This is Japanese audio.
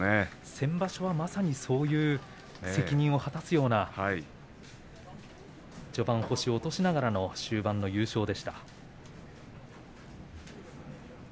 先場所は、まさにそういう責任を果たすような序盤、星を落としながらの終盤の優勝でした。